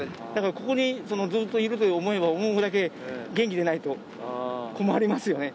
ここにずっといるという思いは元気でないと困りますよね。